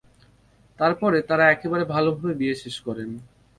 তার পরে তারা একেবারে ভাল ভাবে বিয়ে শেষ করেন।